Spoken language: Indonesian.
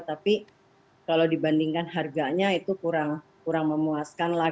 tapi kalau dibandingkan harganya itu kurang memuaskan